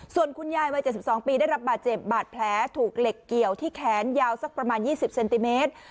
ส่วนคุณยายวัย๗๒ปีได้รับบาดเจ็บบาดแผลถูกเหล็กเกี่ยวที่แขนยาวสักประมาณ๒๐เซนติเมตร